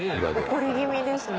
怒り気味ですね。